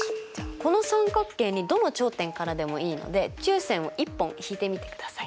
この三角形にどの頂点からでもいいので中線を１本引いてみてください。